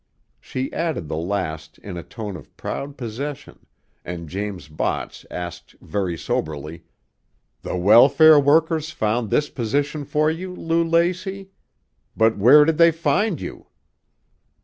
She added the last in a tone of proud possession, and James Botts asked very soberly: "The welfare workers found this position for you, Lou Lacey? But where did they find you?"